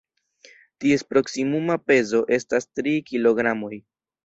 Ties proksimuma pezo estas tri kilogramoj.